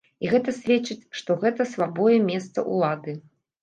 І гэта сведчыць, што гэта слабое месца улады.